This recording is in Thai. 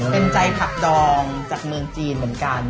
เป็นใจผักดองจากเมืองจีนเหมือนกัน